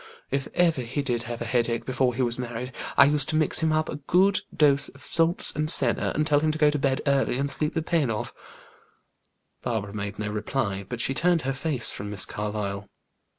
If ever he did have a headache before he was married, I used to mix him up a good dose of salts and senna, and tell him to go to bed early and sleep the pain off." Barbara made no reply, but she turned her face from Miss Carlyle.